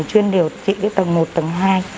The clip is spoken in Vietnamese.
chuyên điều trị cái tầng một tầng hai